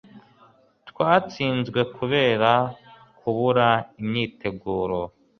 Twatsinzwe kubera kubura imyiteguro.